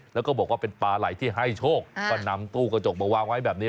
แล้วก็บอกว่าเป็นปลาไหล่ที่ให้โชคก็นำตู้กระจกมาวางไว้แบบนี้